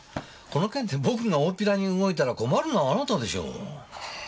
この件で僕がおおっぴらに動いたら困るのはあなたでしょう。